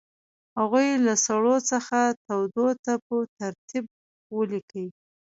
هغوی له سړو څخه تودو ته په ترتیب ولیکئ.